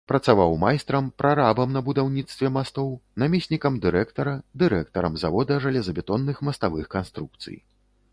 Працаваў майстрам, прарабам на будаўніцтве мастоў, намеснікам дырэктара, дырэктарам завода жалезабетонных маставых канструкцый.